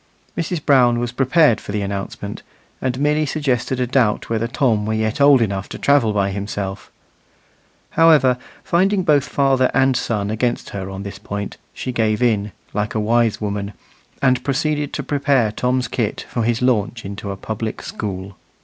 Mrs. Brown was prepared for the announcement, and merely suggested a doubt whether Tom were yet old enough to travel by himself. However, finding both father and son against her on this point, she gave in, like a wise woman, and proceeded to prepare Tom's kit for his launch into a public school.